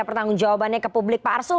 pertanggung jawabannya ke publik pak arsul